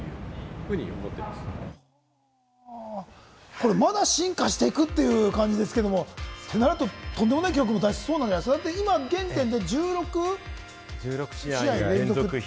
これ、まだ進化していくという感じですけど、となると、とんでもない記録も出しそうなんですが、現在で１６？